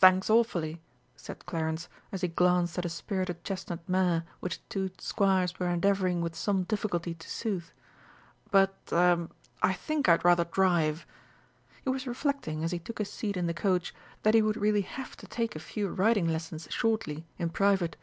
"Thanks awfully," said Clarence, as he glanced at a spirited chestnut mare which two squires were endeavouring with some difficulty to soothe, "but er I think I'd rather drive." He was reflecting, as he took his seat in the coach, that he would really have to take a few riding lessons shortly, in private.